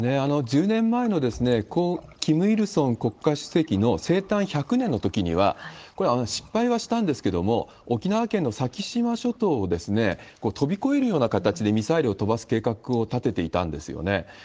１０年前の故・キム・イルソン国家主席の生誕１００年のときには、これは失敗はしたんですけれども、沖縄県の先島諸島を飛び越えるような形でミサイルを飛ばす計画を立てていたんですよね。